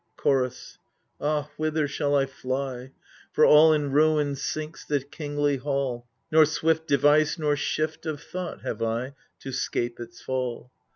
Chorus Ah whither shall I fly ? For all in ruin sinks the kingly hall ; Nor swift device nor shift of thought have I, To 'scape its fall.